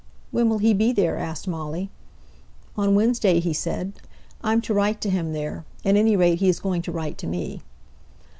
"When will he be there?" asked Molly. "On Wednesday, he said. I'm to write to him there; at any rate he's going to write to me."